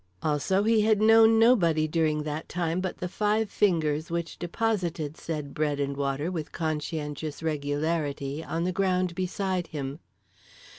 Also he had known nobody during that time but the five fingers which deposited said bread and water with conscientious regularity on the ground beside him.